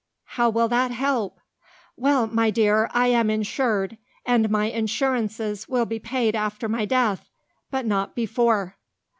"How will that help?" "Why, my dear, I am insured, and my insurances will be paid after my death; but not before."